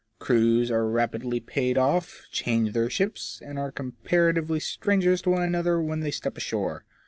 Crews are rapidly paid off, change their ships, and are comparatively strangers one to another when they step ashore.